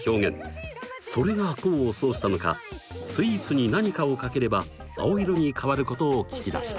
それが功を奏したのかスイーツに何かをかければ青色に変わることを聞き出した。